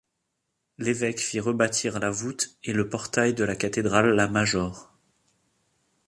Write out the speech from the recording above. L’évêque fit rebâtir la voûte et le portail de la cathédrale la Major.